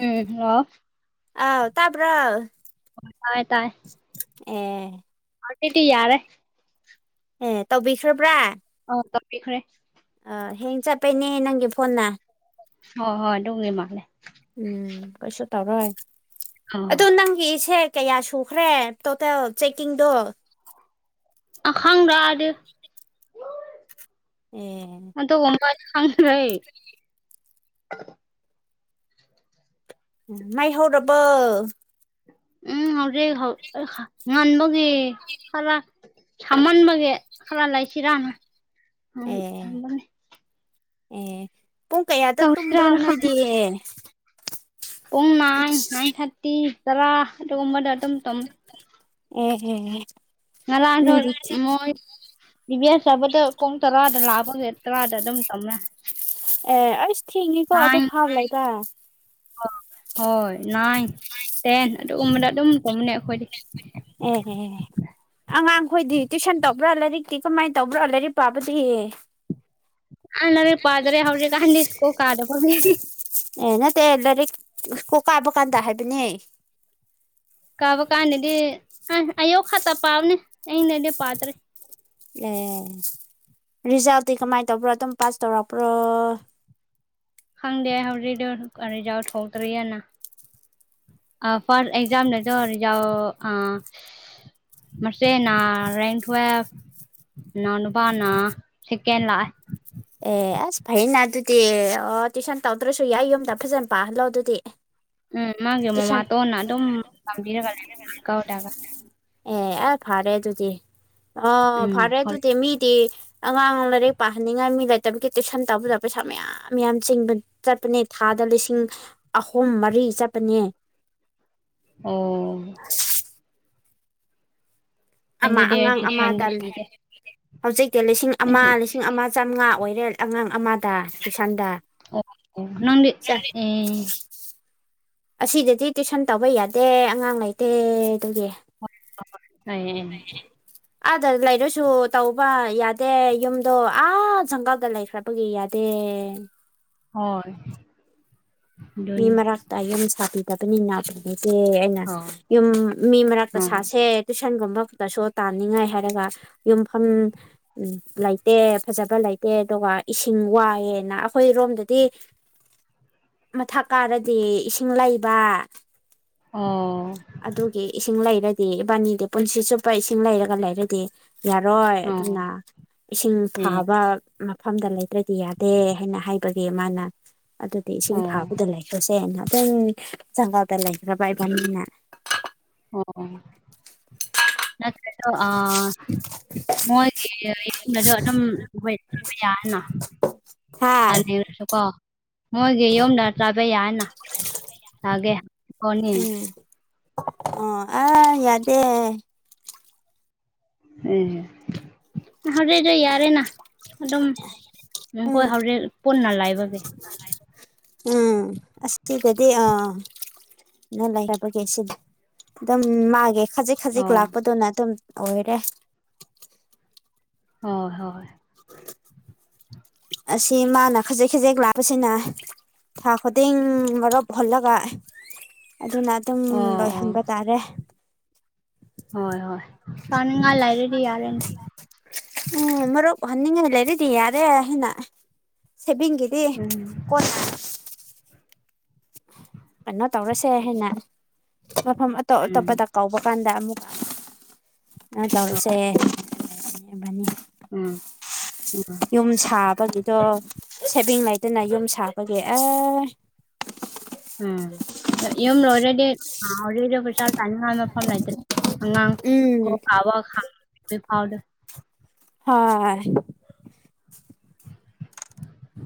ꯎꯝ ꯑꯥꯎ ꯑꯥꯎ ꯇꯥꯕ꯭ꯔꯣ ꯑꯦ ꯑꯔꯇꯤꯇꯤ ꯌꯥꯔꯦ ꯑꯦ ꯇꯧꯕꯤꯈ꯭ꯔꯕ꯭ꯔꯥ ꯑ ꯇꯥꯛꯄꯤꯈ꯭ꯔꯦ ꯑ ꯍꯦꯡ ꯆꯠꯄꯩꯅꯦ ꯅꯪꯒꯤ ꯐꯣꯟꯅ ꯍꯣꯏ ꯍꯣꯏ ꯑꯗꯨꯝꯒꯤ ꯃꯥꯜꯂꯦ ꯎꯝ ꯀꯩꯁꯨ ꯇꯧꯔꯣꯏ ꯑꯧ ꯑꯗꯨ ꯅꯪ ꯑꯩꯒꯤꯆꯦ ꯀꯌꯥ ꯁꯨꯈ꯭ꯔꯦ ꯇꯣꯇꯦꯜ ꯆꯦꯛꯀꯤꯡꯗꯣ ꯑꯈꯥꯡꯗꯗ ꯑꯦ [unintelligible] [inaudible] ꯑꯝꯕ ꯐꯪꯦ ꯎ ꯉꯥꯏꯍꯧꯔꯕ [inaudible] ꯎꯝ ꯍꯧꯔꯤ ꯉꯟꯃꯒ ꯈꯔ ꯁꯝꯃꯟꯕꯒꯦ ꯈꯔ ꯂꯩꯥꯏꯁꯤꯔꯅ [inaudible] ꯑꯦ ꯑꯦ ꯄꯨꯡ ꯀꯌꯥꯗ ꯇꯨꯝꯕ꯭ꯔꯣ ꯇꯧꯁꯤꯔꯥꯅ ꯅꯣꯏꯗꯤ ꯈꯟꯕ ꯄꯨꯡ ꯅꯥꯟ ꯅꯥꯏꯟ ꯊꯥꯔꯇꯤ ꯔꯥ ꯑꯗꯨꯒꯕꯗ ꯇ ꯑꯦ ꯑꯦ ꯃꯂ ꯑꯗ ꯅꯣꯏꯗꯤ ꯃ [inaudible] [unintelligible] ꯗꯤ ꯚꯌꯥꯁ ꯆꯥꯕꯗ ꯄꯨꯡ ꯇꯔꯥꯗ ꯂꯥꯛꯄꯒꯦ ꯇꯔꯥꯗ ꯑꯗꯨꯝ ꯇꯝꯃꯦ ꯑꯦ ꯑꯩꯁ ꯊꯦꯡꯉꯤꯀꯣ ꯑꯗꯨꯣ ꯐꯥꯕ꯭ꯔꯦꯕ ꯑꯣ ꯍꯣꯏ ꯅꯥꯏꯟ ꯇꯦꯟ ꯑꯗꯨꯒꯨꯝꯕꯗ ꯑꯗꯨꯝ ꯇꯨꯝꯅꯦ ꯑꯩꯈꯣꯏꯗꯤ ꯎꯝ ꯑꯉꯥꯡꯈꯣꯏꯗꯤ ꯇꯨꯏꯁꯟ ꯇꯧꯕ꯭ꯔꯥ ꯂꯥꯏꯔꯤꯛꯇꯤ ꯀꯃꯥꯏꯅ ꯇꯧꯕ꯭ꯔꯥ ꯂꯥꯏꯔꯤꯛ ꯄꯥꯕꯗꯤ ꯑꯅꯔꯦ ꯄꯥꯗ꯭ꯔꯦ ꯍꯧꯔ ꯀꯥꯟꯗ ꯏꯁꯀꯣ ꯀꯥꯗꯄ ꯑꯦꯩꯅ ꯇ ꯂꯥꯏꯔꯤꯛ ꯀꯣꯀꯥꯕꯨ ꯀꯥꯟꯗ ꯍꯥꯏꯕꯅꯦ ꯀꯥꯕ ꯀꯥꯟꯗꯗꯤ ꯑ ꯑꯌꯨꯛ ꯈꯛꯇ ꯄꯥꯕꯅꯦ ꯑꯩꯅꯗꯤ ꯄꯥꯠꯇ꯭ꯔꯦ ꯑꯦ ꯔꯤꯖꯜꯇꯤ ꯀꯃꯥꯏꯅ ꯇꯧꯕ꯭ꯔꯣ ꯑꯗꯨꯝ ꯄꯥꯁ ꯇꯧꯔꯛꯄ꯭ꯔꯣ ꯍꯪꯗꯦ ꯍꯧꯔꯤꯗꯔꯤꯖꯥꯎꯠ ꯍꯣꯗ꯭ꯔꯤ ꯑꯅꯥ ꯐꯥꯔ ꯑꯦꯛꯖꯥꯝ ꯅꯗꯣ ꯌꯥꯥꯎ ꯑꯥ ꯃꯁꯦꯅ ꯔꯥꯏ ꯊꯨ ꯅꯅꯄꯅꯥ ꯁꯤꯀꯦꯟꯂ ꯑꯦ ꯑꯁ ꯐꯩꯅ ꯑꯗꯨꯗꯤ ꯑꯣ ꯇꯨꯏꯁꯟ ꯇꯧꯗ꯭ꯔꯁꯨ ꯌꯥꯏ ꯌꯨꯝꯗ ꯐꯖꯅ ꯄꯥꯍꯜꯂꯣ ꯑꯗꯨꯗꯤ ꯎꯝ ꯃꯥꯒꯤ ꯇꯨꯏꯁꯟ ꯃꯃꯥꯇꯣꯟꯅ ꯑꯗꯨꯝ ꯇꯝꯕꯤꯔꯒ ꯂꯩ ꯀꯒ ꯑꯦ ꯑꯦ ꯐꯔꯦ ꯇꯨꯗꯤ ꯑ ꯎꯝ ꯐꯔꯦ ꯍꯣꯏ ꯇꯨꯗꯤ ꯃꯤꯗꯤ ꯑꯉꯥꯡ ꯂꯥꯏꯔꯛ ꯄꯥꯍꯟꯅꯤꯡꯉꯥꯏ ꯃꯤ ꯂꯩꯇꯕꯒꯤ ꯇꯨꯏꯁꯟ ꯇꯧꯕꯗ ꯄꯩꯁꯥ ꯃꯌꯥꯝ ꯃꯌꯥꯝ ꯆꯤꯡꯕ ꯆꯠꯄꯅꯦ ꯊꯥꯗ ꯂꯤꯁꯤꯡ ꯑꯍꯨꯝ ꯃꯔꯤ ꯆꯠꯄꯅꯦ ꯑ ꯑꯃ ꯑꯩꯗꯤꯗꯤ ꯑꯉꯥꯡ ꯇꯨꯏꯁꯟꯗꯤ ꯑꯃꯗꯜ ꯄꯤꯗꯦ ꯍꯧꯖꯤꯛꯇꯤ ꯂꯤꯁꯤꯡ ꯑꯃ ꯑꯩꯗꯤ ꯂꯤꯁꯤꯡ ꯑꯃ ꯆꯥꯃꯉꯥ ꯑꯣꯏꯔꯦ ꯑꯉꯥꯡ ꯑꯃꯗ ꯇꯨꯏꯁꯟꯗ ꯑꯣ ꯅꯪꯗꯤ ꯆ ꯑꯦ ꯑꯁꯤꯗꯗꯤ ꯇꯨꯏꯁꯟ ꯇꯧꯕ ꯌꯥꯗꯦ ꯑꯉꯥꯡ ꯂꯩꯇꯦ ꯑꯗꯨꯒꯤ ꯍ ꯑꯥꯗ ꯂꯩꯔꯨꯁꯨ ꯇꯧꯕ ꯌꯥꯗꯦ ꯌꯨꯝꯗꯣ ꯑꯥ ꯁꯪꯀꯗ ꯂꯩꯈ꯭ꯔꯕ ꯄꯄꯒꯌꯥꯗ ꯍꯣꯏ [unintelligible] [inaudible] ꯃꯤ ꯑꯗꯨꯅꯤ ꯃꯔꯛꯇ ꯌꯨꯝ ꯁꯥꯕꯤꯗꯕꯅꯤꯟꯅꯕꯅꯤꯦ ꯍꯣꯏ ꯌꯨꯝ ꯃꯤ ꯃꯔꯛꯇ ꯎꯝ ꯁꯥꯥꯁꯦ ꯇꯨꯏꯁꯟꯒꯨꯝꯕꯗꯁꯨ ꯇꯥꯅꯤꯡꯉꯥꯏ ꯍꯥꯏꯔꯒ ꯌꯨꯝꯐꯝ ꯎ ꯂꯩꯇꯦ ꯐꯖꯕ ꯂꯩꯇꯦ ꯑꯗꯨꯒ ꯏꯁꯤꯡ ꯋꯥꯏꯑꯦꯅ ꯑꯩꯈꯣꯏꯔꯣꯝꯗꯗꯤ ꯃꯊꯛ ꯀꯥꯔꯗꯤ ꯏꯁꯤꯡ ꯂꯩꯕ ꯑꯣ [unintelligible] [inaudible] ꯑꯗꯨꯒꯤ ꯏꯁꯤꯡ ꯂꯩꯔꯗꯤ ꯏꯕꯥꯅꯤꯗꯤ ꯄꯨꯟꯁꯤ ꯆꯨꯞꯄ ꯏꯁꯤꯡ ꯂꯩꯔꯒ ꯂꯩꯔꯗꯤ ꯌꯥꯔꯣꯏ ꯑꯗꯨꯅ ꯑꯣ ꯏꯁꯤꯡ ꯑꯦ ꯐꯥꯕ ꯃꯐꯝꯗ ꯂꯩꯇ꯭ꯔꯗꯤ ꯌꯥꯗꯦ ꯍꯥꯏꯅ ꯍꯥꯏꯕꯒꯤ ꯃꯥꯅ ꯑꯗꯨꯗꯤ ꯏꯁꯤꯡ ꯑꯣ ꯐꯥꯕꯗ ꯂꯩꯈ꯭ꯔꯁꯤ ꯅ ꯑꯗꯨꯝ ꯆꯪꯒꯒꯥ ꯇ ꯂꯩꯦ ꯆꯕꯥꯕꯅ ꯑꯣ ꯅ ꯀ ꯑ ꯃꯣꯏꯒꯤꯨꯝꯅꯁꯨ ꯑꯗꯨꯝꯕ ꯌꯥꯅ ꯍꯥ ꯆꯥꯅꯤꯡꯉꯁꯨ ꯀꯣ ꯃꯣꯏꯒꯤ ꯌꯨꯝꯗ ꯆꯥꯕ ꯌꯥꯅ ꯆꯥꯒꯦ ꯀꯣꯅꯤ ꯎꯝ ꯑꯣ ꯑ ꯌꯥꯗꯦ ꯍꯝ ꯍꯧꯣꯔꯛꯁꯨ ꯌꯥꯔꯦꯅ ꯑꯗꯨꯝ ꯎꯝ ꯃꯈꯈꯣꯏ ꯍꯧꯣꯔꯦꯟ ꯄꯨꯟꯅ ꯂꯥꯏꯕꯒꯤ ꯎꯝ ꯑꯁꯦ ꯀꯗꯤꯦ ꯑꯥ ꯅ ꯂꯩꯔꯕꯒꯦ ꯁꯤꯗꯤ ꯑꯗꯨꯝ ꯃꯥꯒꯦ ꯈꯖꯤꯛ ꯈꯖꯤꯛ ꯍꯣꯏ ꯂꯥꯛꯄꯗꯨꯅ ꯑꯗꯨꯝ ꯑꯣꯏꯔꯦ ꯍꯣꯏ ꯍꯣꯏ [unintelligible] [inaudible] ꯑꯁꯤ ꯃꯥꯅ ꯈꯖꯤꯛ ꯈꯖꯤꯦꯛ ꯂꯥꯛꯄꯁꯤꯅ ꯊꯥ ꯈꯨꯗꯤꯡ ꯃꯔꯨꯞ ꯍꯜꯂꯒ ꯑꯗꯨꯅ ꯑꯗꯨꯝ ꯑꯣ ꯑꯣ ꯂꯣꯏꯍꯟꯕ ꯇꯥꯔꯦ ꯍꯣꯏ ꯍꯣꯏ ꯇꯥꯅꯤꯡꯉꯥꯏ ꯂꯥꯏꯔ꯭ꯔꯦꯗꯤ ꯌꯥꯔꯦꯅꯦ ꯎꯝ ꯃꯔꯣ ꯍꯟꯉ ꯂꯩꯔꯤꯗꯤ ꯌꯥꯔꯦ ꯍꯅ [inaudible] ꯁꯦꯕꯤꯡꯒꯤꯗꯤ ꯎꯝ ꯀꯣꯟꯅ ꯀꯩꯅꯣ ꯇꯧꯔꯁꯦ ꯍꯥꯏꯅ ꯃꯐꯝ ꯑꯇꯣꯞ ꯎꯝ ꯑꯇꯣꯞꯄꯗ ꯀꯧꯕ ꯀꯥꯟꯗ ꯑꯃꯨꯛꯀ ꯎꯝ ꯎ [unintelligible] [inaudible] ꯌꯨꯝ ꯁꯥꯕꯒꯤꯗꯣ ꯁꯦꯕꯤꯡ ꯂꯩꯗꯅ ꯌꯨꯝ ꯁꯥꯕꯒꯤ ꯑꯦ ꯎꯝ ꯏꯗꯤꯗꯤ ꯄꯁꯥꯜ ꯇꯅꯤꯡꯅꯐꯝ ꯑꯉꯥꯡ ꯎꯝ ꯀꯣ ꯑꯋꯥ ꯈ ꯐꯥꯎ ꯍ [unintelligible] [inaudible]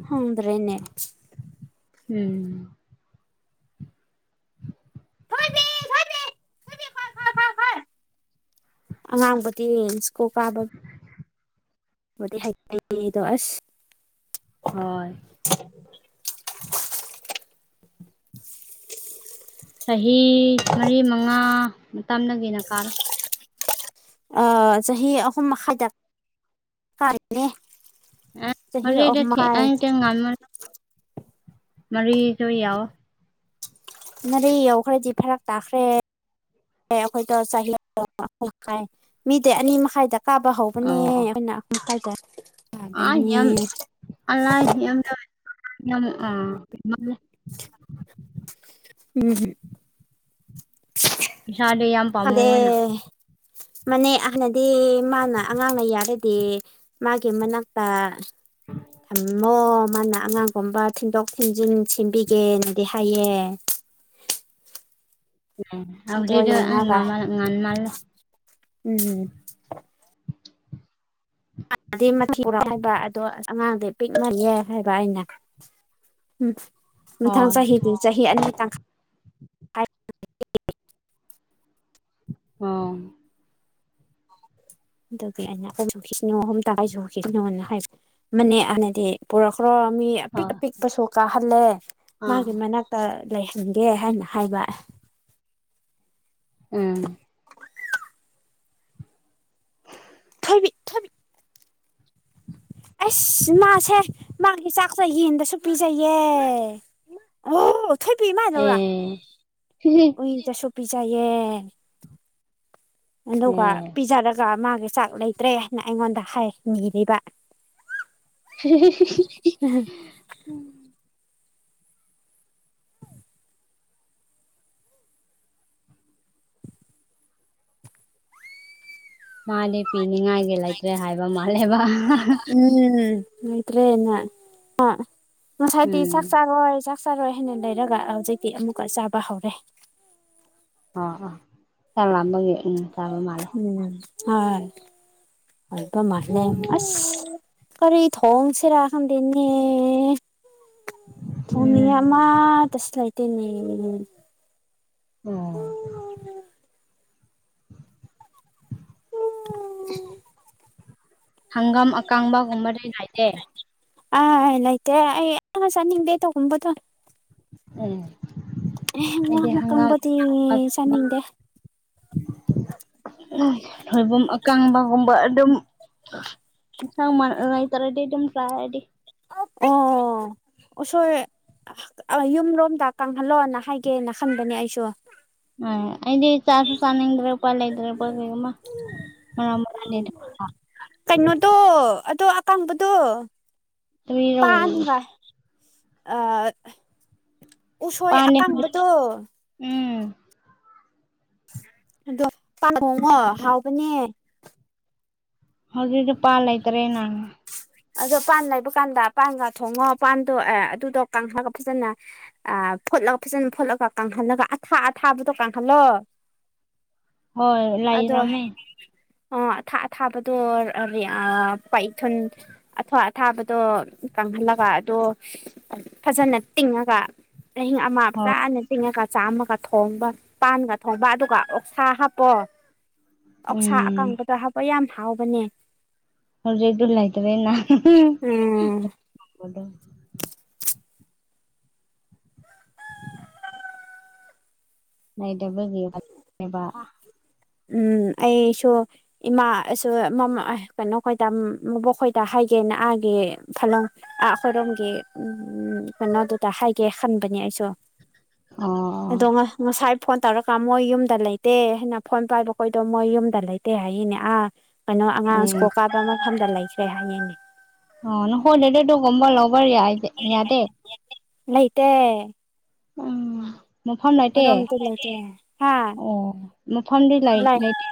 ꯍꯗ꯭ꯔꯦꯅꯦ ꯎꯝ [unintelligible] [inaudible] ꯑꯉꯥꯡꯕꯗꯤ ꯁ꯭ꯀꯨꯜ ꯀꯥꯕ [inaudible] ꯃ ꯍꯥꯏꯗꯁ ꯍꯣꯏ ꯆꯍꯤ ꯃꯔꯤ ꯃꯉꯥ ꯃꯇꯝꯗꯒꯤꯅ ꯀꯥꯔꯣ ꯆꯍꯤ ꯑꯍꯨꯝ ꯃꯈꯥꯏꯗ ꯀꯥꯔꯤꯅꯦ ꯆꯍꯤ ꯑꯃꯥꯏ ꯉꯜꯃ ꯃꯔꯤꯁꯨꯣꯏ ꯌꯥꯑꯣꯣ ꯅꯔꯦ ꯌꯧꯈ꯭ꯔꯦꯗꯤ ꯐꯔꯛ ꯇꯥꯈ꯭ꯔꯦ ꯑꯩꯈꯣꯏꯗꯣ ꯆꯍꯤꯥꯏ ꯃꯤꯗꯤ ꯑꯅꯤ ꯃꯈꯥꯏꯗ ꯀꯥꯕ ꯍꯧꯕꯅꯦ ꯑꯩꯈꯣꯏꯅ ꯍꯥꯏꯁꯦ ꯑꯥ ꯌꯥꯝ ꯑꯂ ꯑ ꯎꯝ ꯄꯩꯁꯥꯗꯤ ꯌꯥꯝ ꯑꯗ ꯄꯥꯝꯃꯨꯑꯦꯅ ꯃꯅꯦ ꯍꯥꯟꯅꯗꯤ ꯃꯥꯅ ꯑꯉꯥꯡꯅ ꯌꯥꯔꯗꯤ ꯃꯥꯒꯤ ꯃꯅꯥꯛꯇ ꯊ ꯃꯣ ꯃꯥꯅ ꯑꯉꯥꯡꯒꯨꯝꯕ ꯊꯤꯟꯗꯣꯛ ꯊꯤꯟꯖꯤꯟ ꯁꯦꯝꯕꯤꯒꯦꯅꯗꯤ ꯍꯥꯏꯌꯦ ꯑꯗꯣ ꯑꯔꯤꯗ ꯉ ꯌꯦꯡꯉꯒ ꯉꯥꯟꯃꯜ ꯎꯝꯝ ꯗꯤ ꯃꯊꯤꯨꯔ ꯍꯥꯏꯕ ꯑꯗꯣ ꯑꯁ ꯑꯉꯥꯡꯗꯤ ꯄꯤꯛꯅꯅꯤꯦ ꯍꯥꯏꯕ ꯑꯩꯅ ꯎꯝ ꯃꯊꯪ ꯍꯣꯏ ꯆꯍꯤꯗꯤ ꯆꯍꯤ ꯑꯅꯤ ꯇꯥꯡ ꯑꯣ [unintelligible] [inaudible] ꯑꯗꯨꯒꯤ ꯑꯩꯅ ꯑꯍꯨꯝꯁꯨ ꯈꯤꯠꯅꯤꯉꯣ ꯑꯍꯨꯝ ꯇ ꯑꯩꯁꯨ ꯈꯤꯠꯅꯣꯅ ꯍꯥꯏꯕ ꯃꯅꯦ ꯑꯍꯟꯅꯗꯤ ꯄꯔꯛꯈ꯭ꯔꯣ ꯃꯤ ꯑꯄꯤꯛ ꯍꯣꯏ ꯑꯄꯤꯛꯄꯁꯨ ꯀꯥꯍꯜꯂꯦ ꯑꯥ ꯃꯥꯒꯤ ꯃꯅꯥꯛꯇ ꯂꯩꯍꯟꯒꯦ ꯍꯥꯏꯅ ꯍꯥꯏꯕ ꯎꯝ ꯃꯤꯠꯊ ꯑꯁ ꯃꯥꯁꯦ ꯃꯥꯒꯤ ꯆꯥꯛꯁ ꯌꯦꯟꯗꯁꯨ ꯄꯤꯖꯩꯌꯦ ꯑꯣ ꯊꯣꯏꯕꯤ ꯏꯃꯥꯟꯅꯧꯔꯥ ꯑꯦ ꯎꯏ ꯑꯗꯨꯒ ꯎꯝ ꯄꯤꯖꯔꯒ ꯃꯥꯒꯤ ꯆꯥꯛ ꯂꯩꯇ꯭ꯔꯦ ꯍꯥꯏꯅ ꯑꯩꯉꯣꯟꯗ ꯍꯥꯏꯔꯤꯕ [unintelligible] ꯃꯥꯗꯤ ꯄꯤꯅꯤꯡꯉꯥꯏꯒꯤ ꯂꯩꯇ꯭ꯔꯦ ꯍꯥꯏꯕ ꯃꯥꯜꯂꯦꯕ [unintelligible] ꯎꯝ ꯑꯇ꯭ꯔꯦꯅꯁꯥꯏ ꯆ ꯎꯝ ꯆꯋꯥ ꯆ ꯛ ꯆꯥꯔꯣꯏ ꯍꯥꯏꯅ ꯂꯩꯔꯒ ꯍꯧꯖꯤꯛꯇꯤ ꯑꯃꯨꯛꯀ ꯆꯥꯕ ꯍꯧꯔꯦ [unintelligible] ꯑ ꯆ ꯅꯃꯒꯦ ꯎꯝ ꯍꯣꯏ ꯑꯩꯈꯣꯏ ꯃꯥꯁꯤꯅ ꯑꯩꯕꯨ ꯑꯁ ꯔꯤ ꯊꯣꯡ ꯆꯦꯔ ꯈꯥꯟꯗꯅꯦ ꯊꯣꯡꯅꯤꯉꯥꯏ ꯎꯝ ꯑꯃꯥ ꯇꯁꯨ ꯂꯩꯥꯇꯦꯅꯦ ꯑꯣ ꯎ ꯍꯪꯒꯥꯝ ꯑꯀꯥꯡꯕꯒꯨꯝꯕꯗꯤ ꯅꯥꯏꯗꯦ ꯑꯅꯥꯏꯇ ꯁꯅꯒꯗꯦ ꯇꯒꯣꯕꯗꯣ [unintelligible] ꯎꯝ ꯑꯦ ꯉꯥ ꯑꯩꯗꯤ ꯍꯒꯥꯥꯡ ꯑꯃꯀꯪꯕꯗꯤ ꯆꯥꯅꯤꯡꯗꯦ ꯊꯣꯏꯕꯨꯝ ꯑꯀꯥꯡꯕꯒꯨꯝꯕ ꯑꯗꯨꯝ ꯏꯟꯁꯥꯡ ꯃꯥ ꯂꯩꯇꯔꯥꯗꯤ ꯑꯗꯨꯝ ꯆꯥꯔꯦ ꯑꯩꯗꯤ ꯑꯥ ꯑꯣꯁꯣꯏ ꯑ ꯌꯨꯝꯂꯣꯝꯗ ꯀꯪꯍꯜꯂꯣꯅ ꯍꯥꯏꯒꯦꯅ ꯈꯟꯕꯅꯦ ꯑꯩꯁꯨ ꯑ ꯑꯩꯗꯤ ꯆꯥꯁꯨ ꯆꯥꯅꯤꯡꯗ꯭ꯔꯦ ꯎꯄꯥ ꯂꯩꯗ꯭ꯔꯦ ꯀꯩꯒꯨꯝ ꯃꯔ ꯂꯩ [unintelligible] ꯀꯩꯅꯣꯗꯣ ꯑꯗꯣ ꯑꯀꯡꯕꯗꯣ ꯀꯔꯤꯔꯣ ꯄꯥꯟ [unintelligible] ꯑ ꯎꯁꯣꯏ ꯄꯥꯟꯗꯤ ꯍꯧꯖꯤꯛ ꯑꯀꯪꯡꯕꯗꯣ ꯎꯝ ꯑꯗꯣ ꯄꯥꯟ ꯊꯣꯡꯉꯣ ꯍꯥꯎꯕꯅꯦ ꯍꯧꯖꯤꯛꯗꯨ ꯄꯥ ꯂꯩ ꯂꯩꯇ꯭ꯔꯦꯅ ꯑꯗꯣ ꯄꯥꯟ ꯂꯩꯕ ꯀꯥꯟꯗ ꯄꯥꯟꯒ ꯊꯣꯡꯉꯣ ꯄꯥꯟꯗꯣ ꯑꯥ ꯑ ꯐꯨꯠꯂꯒ ꯐꯖꯅ ꯐꯨꯠꯂꯒ ꯀꯪꯍꯜꯂꯒ ꯑꯊꯥ ꯑꯊꯥꯕꯗꯣ ꯀꯪꯍꯜꯂꯣ [unintelligible] ꯑꯗꯣ ꯂꯩꯔꯝꯃꯦ ꯑꯥ ꯑꯊꯥ ꯑꯊꯥꯕꯗꯣ ꯄꯥꯏꯊꯨꯜ ꯑꯊꯥ ꯑꯊꯥꯕꯗꯣ ꯀꯪꯍꯜꯂꯒ ꯑꯗꯣ ꯐꯖꯅ ꯇꯤꯡꯉꯒ ꯑꯍꯤꯡ ꯑꯃ ꯍꯣꯏ ꯐꯖꯥꯅ ꯇꯤꯡꯉꯒ ꯆꯥꯝꯃꯒ ꯊꯣꯡꯕ ꯄꯥꯟꯒ ꯊꯣꯡꯕ ꯑꯗꯨꯒ ꯑꯣꯛꯁꯥ ꯍꯥꯞꯄꯣ ꯑꯣꯛꯁꯥ ꯎꯝ ꯑꯀꯥꯡꯕꯗ ꯍꯥꯞꯄ ꯌꯥꯝ ꯍꯥꯎꯕꯅꯦ ꯍꯧꯖꯤꯛꯇꯣ ꯂꯩꯇꯔꯦ ꯅꯍꯥꯟ ꯎꯝ [unintelligible] ꯎꯝ ꯑꯩꯁꯨ ꯏꯃꯥꯁꯨ ꯀꯩꯅꯣꯈꯣꯏꯗꯕꯣꯛꯈꯣꯏꯗ ꯍꯥꯏꯒꯦꯅ ꯑꯥꯒꯤ ꯈꯜꯂꯝ ꯑ ꯑꯩꯈꯣꯏꯔꯣꯝꯒꯤ ꯎꯝ ꯀꯩꯅꯣꯗꯨꯗ ꯍꯥꯏꯒꯦ ꯈꯟꯕꯅꯦ ꯑꯩꯁꯨ ꯑꯣ ꯑꯗꯣ ꯉꯁꯥꯏ ꯐꯣꯟ ꯇꯧꯔꯀꯥꯟ ꯃꯣꯏ ꯌꯨꯝꯗ ꯂꯩꯇꯦ ꯍꯥꯏꯅ ꯐꯣꯟ ꯄꯥꯏꯕꯈꯣꯏꯗꯣ ꯃꯣꯏ ꯌꯨꯝꯗ ꯂꯩꯇꯦ ꯍꯥꯏꯌꯤꯅꯦ ꯑꯥ ꯀꯩꯅꯣ ꯑꯉꯥꯡ ꯑꯦ ꯁꯀꯨꯜ ꯀꯕ ꯃ ꯃꯇꯝꯐꯝꯗ ꯂꯩꯈ꯭ꯔꯦ ꯍꯥꯏꯌꯦꯅꯦ ꯑꯣ ꯅꯈꯣꯏꯗꯗꯤ ꯑꯗꯨꯒꯨꯝꯕ ꯂꯎꯕ ꯌꯥ ꯌꯥꯗꯦ ꯂꯩꯇꯦ ꯎ ꯃꯐꯝ ꯂꯩꯇꯦ ꯑꯩꯈꯣꯏꯔꯣꯝꯗꯤ ꯂꯩꯇꯦ ꯍꯥ ꯑꯣ ꯃꯐꯝꯗꯤ ꯂꯩ ꯂꯩꯇꯦ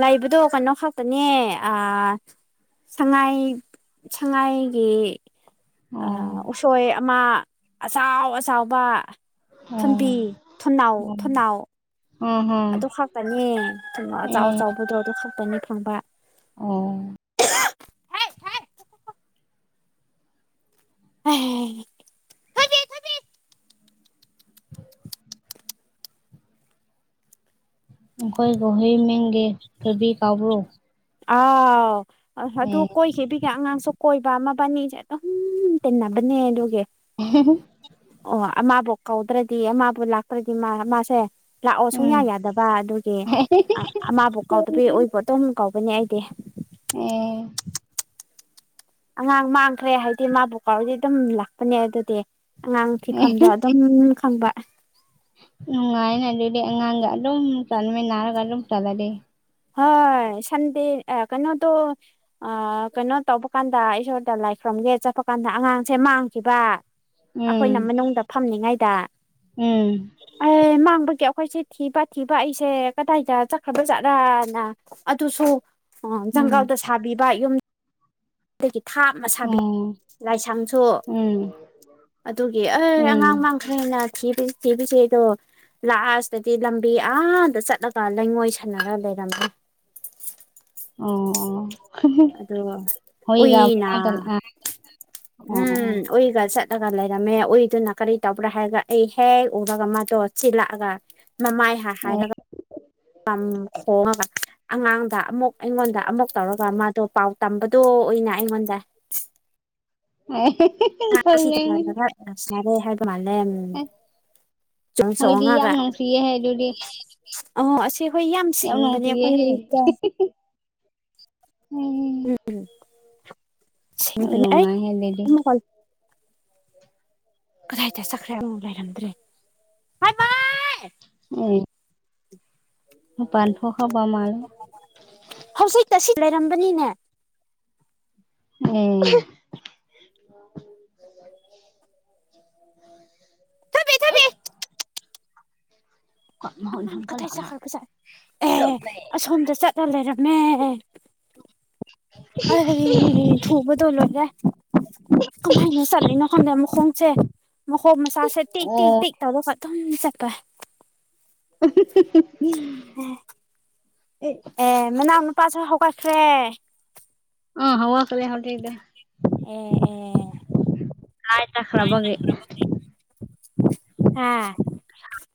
ꯂꯩꯕꯗꯣ ꯀꯩꯅꯣ ꯈꯛꯇꯅꯦ ꯑ ꯁꯉꯥꯏ ꯁꯉꯥꯏꯒꯤ ꯑ ꯑꯣ ꯎꯁꯣꯏ ꯑꯃ ꯑꯆꯥꯎ ꯑꯆꯥꯎꯕ ꯊꯨꯝꯕꯤ ꯑꯣ ꯊꯨꯝꯅꯥꯎ ꯊꯨꯝꯅꯥꯎ ꯑ ꯍ ꯑꯗꯨ ꯈꯛꯇꯅꯤ ꯀꯩꯅꯣ ꯑꯦ ꯑꯆꯥꯎ ꯑꯆꯕꯗ꯭ꯔꯣ ꯑꯗꯨ ꯈꯛꯇꯅꯤ ꯐꯪꯕ ꯑꯣ [unintelligible] ꯑꯩꯈꯣꯏ ꯒꯣꯍꯔꯤ ꯃꯤꯡꯒꯤ ꯊꯣꯏꯕꯤ ꯀꯧꯕꯔꯣ ꯑꯥꯎ ꯑꯗꯨ ꯀꯣꯏꯁꯤꯕꯤ ꯍ ꯑꯉꯥꯡꯁꯨ ꯀꯣꯏꯕ ꯑꯃꯅꯤꯁꯩ ꯑꯗꯨꯝ ꯇꯤꯟꯅꯕꯅꯦ ꯑꯗꯨꯒꯤ [unintelligible] ꯑꯣ ꯑꯃꯕꯨ ꯀꯧꯗ꯭ꯔꯗꯤ ꯑꯃꯕꯨ ꯂꯥꯛꯇ꯭ꯔꯗꯤ ꯃꯥ ꯃꯥꯁꯦ ꯂꯥꯛꯑꯣ ꯁꯨꯡꯌꯥ ꯎꯝ ꯌꯥꯗꯕ ꯑꯗꯨꯒꯤ ꯑꯃꯥꯕꯨ ꯀꯥꯎꯗꯕꯤ ꯑꯣꯏꯕꯨ ꯑꯗꯨꯣꯝ ꯀꯧꯒꯅꯤ ꯑꯩꯗꯤ ꯑꯦ ꯑꯉꯥꯡ ꯃꯥꯡꯈ꯭ꯔꯦ ꯍꯥꯏꯗꯤ ꯃꯥꯕꯨ ꯀꯥꯎꯔꯗꯤ ꯑꯗꯨꯝ ꯂꯥꯛꯄꯅꯦ ꯑꯗꯨꯗꯤ ꯑꯉꯥꯡ ꯐꯤꯐꯝꯗ ꯈꯪꯕ ꯅꯨꯡ ꯉꯥꯏꯅꯦ ꯉꯥꯡꯒ ꯑꯗꯨꯨꯝ ꯆꯠꯃꯤꯟ ꯅꯔꯒ ꯗꯨꯝ ꯆꯠꯂꯗꯤ ꯍꯣꯏ ꯁꯟꯗꯦ ꯑꯦ ꯀꯩꯅꯣꯗꯣ ꯑ ꯀꯩꯅꯣ ꯇꯧꯕ ꯀꯥꯟꯗ ꯏꯁꯣꯔꯗ ꯂꯥꯏꯈꯣꯔꯝꯒꯦ ꯆꯠꯄ ꯀꯥꯟꯗ ꯑꯉꯥꯡꯁꯦ ꯃꯥꯡꯈꯤꯕ ꯎꯝ ꯑꯩꯈꯣꯏꯅ ꯃꯅꯨꯡꯗ ꯐꯝꯂꯤꯉꯩꯗ ꯎꯝ ꯑꯦ ꯃꯥꯡꯕꯒꯤ ꯑꯩꯈꯣꯏꯁꯦ ꯊꯤꯕ ꯊꯤꯕ ꯑꯩꯁꯦ ꯀꯗꯥꯏꯗ ꯆꯠꯈ꯭ꯔꯕ ꯖꯠꯔꯥ ꯅ ꯑꯗꯨꯁꯨ ꯎꯝ ꯖꯪꯒꯜꯗ ꯁꯥꯕꯤꯕ ꯌꯨꯝ ꯗꯒꯥ ꯊꯥ ꯃꯁꯥꯕꯤ ꯑꯣ ꯂꯥꯏꯁꯪꯁꯨ ꯎꯝ ꯑꯗꯨꯒꯤ ꯑꯦ ꯎꯝ ꯑꯉꯥꯡ ꯃꯥꯡ ꯈꯔꯦꯅ ꯊꯤꯕꯁꯤ ꯊꯤꯕꯁꯤ ꯗꯣ ꯂꯥꯁꯇꯗꯤ ꯂꯝꯕꯤ ꯑꯗ ꯆꯠꯂꯒ ꯂꯩꯉꯣꯏ ꯁꯟꯅꯔ ꯂꯩꯔꯝꯃꯤ ꯑꯣ ꯑꯣ ꯑꯗꯣ ꯍꯣꯏꯒ ꯎꯏꯅ ꯃꯅꯥꯛꯇ ꯑꯥ ꯑꯣ ꯎꯝ ꯎꯏꯒ ꯆꯠ ꯆꯠꯂꯒ ꯂꯩꯔꯝꯃꯦ ꯎꯏꯗꯨꯅ ꯀꯔꯤ ꯇꯧꯕ꯭ꯔꯥ ꯍꯥꯏꯔꯒ ꯑꯩ ꯍꯦꯛ ꯎꯔꯒ ꯃꯥꯗꯣ ꯆꯤꯜꯂꯛꯑꯒ ꯃꯃꯥꯏ ꯍꯥꯏ ꯑꯣ ꯍꯥꯏꯔꯒ ꯍꯣꯡꯉꯒ ꯑꯉꯥꯡꯗ ꯑꯃꯨꯛ ꯑꯩꯉꯣꯟꯗ ꯑꯃꯨꯛ ꯇꯧꯔꯒ ꯃꯥꯗꯣ ꯄꯥꯎ ꯇꯝꯕꯗꯣ ꯑꯣꯏꯅ ꯑꯣꯏꯅ ꯑꯩꯉꯣꯟꯗ [unintelligible] ꯁꯤꯔꯦ ꯍꯥꯏꯕ ꯃꯥꯜꯂꯦ ꯍꯣꯏꯗꯤ ꯌꯥꯝ ꯆꯨꯝꯁꯣꯉꯥꯒ ꯅꯨꯡꯁꯤꯌꯦꯍꯦ ꯑꯗꯨꯗꯤ ꯑ ꯑꯁꯤ ꯑꯩꯈꯣꯏ ꯌꯥꯝ ꯁꯤꯡꯕꯅꯦ ꯑꯩꯈꯣꯏ ꯍꯧꯔꯤꯛꯇ ꯎꯝ ꯎꯝ ꯌꯥꯝ ꯁꯃꯤꯅꯤ ꯍ ꯀ ꯅꯨꯡꯉꯥꯏꯍꯦ ꯑꯗꯨꯗꯤ [unintelligible] ꯀꯗꯥꯏꯗ ꯆꯛꯈ꯭ꯔꯦ ꯑꯃꯨ ꯂꯩꯔꯝꯗ꯭ꯔꯦ ꯎ ꯃꯄꯥꯟ ꯊꯣꯛꯈꯔꯥꯕ ꯃꯥꯜꯂꯦ ꯍꯧꯖꯤꯛꯛꯇ ꯁꯤ ꯂꯩꯔꯝꯕꯅꯤꯅꯦ ꯎꯝ ꯊꯣꯏꯕꯤ ꯑꯝ ꯊꯣꯏꯕꯤ [unintelligible] ꯑꯃꯥꯡ ꯀꯊꯥꯏ ꯆꯠꯈ꯭ꯔꯥꯕꯖꯥꯠꯅꯣ ꯑꯦ ꯑꯁꯣꯝꯗ ꯆꯠꯂ ꯂꯩꯔꯝꯃꯦ ꯑꯩ ꯍꯥꯌꯦꯡ ꯊꯨꯕꯗ ꯂꯣꯏꯔꯦ ꯀꯃꯥꯏꯅ ꯆꯠꯂꯤꯅꯣ ꯈꯪꯗꯦ ꯃꯈꯣꯡꯁꯦ ꯃꯈꯣꯡ ꯃꯁꯥꯁꯦ ꯇꯤꯛ ꯇꯤꯛ ꯑꯣ ꯇꯤꯛ ꯇꯗ ꯀꯠꯇ ꯆꯠꯄ ꯑꯦ ꯑꯦ ꯃꯅꯥꯎ ꯅꯨꯄꯥꯖꯨ ꯍꯧꯒꯠꯈ꯭ꯔꯦ ꯑ ꯍꯀꯗꯦ ꯍꯧꯦꯗ ꯎꯝ ꯑꯣꯝ ꯀꯗꯥꯏ ꯆꯠꯈ꯭ꯔꯕꯒꯦ ꯍꯥꯥ [inaudible]